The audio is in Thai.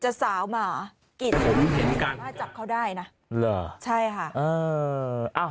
จะสาวหมากิดแล้วจับเขาได้นะหรอใช่ค่ะ